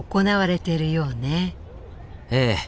ええ。